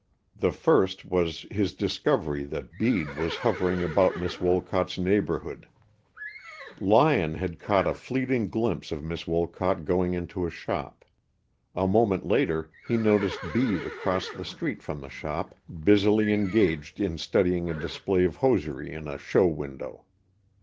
The first was his discovery that Bede was hovering about Miss Wolcott's neighborhood. Lyon had caught a fleeting glimpse of Miss Wolcott going into a shop. A moment later he noticed Bede across the street from the shop, busily engaged in studying a display of hosiery in a show window.